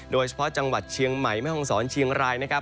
โดยเฉพาะจังหวัดเชียงใหม่แม่ห้องศรเชียงรายนะครับ